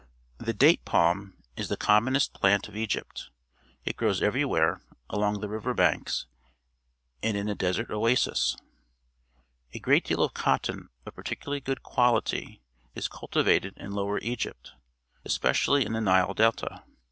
The date palm is the commonest plant of Egypt; it grows everywhere along the river banks and in the desert oases. A great deal of cotton of particularly good quality is cultivated in Lower Egypt, especially in the Nile delta.